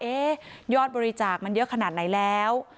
ยอดบริจาคมันเยอะขนาดไหนแล้ว